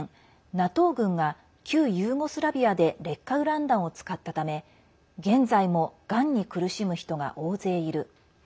１９９９年、ＮＡＴＯ軍が旧ユーゴスラビアで劣化ウラン弾を使ったため現在も、がんに苦しむ人が大勢いる。